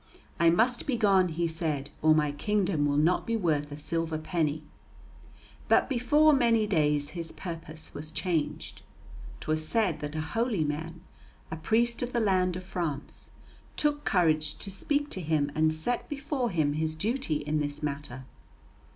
"I must be gone," he said, "or my kingdom will not be worth a silver penny." But before many days his purpose was changed. 'Twas said that a holy man, a priest of the land of France, took courage to speak to him and set before him his duty in this matter.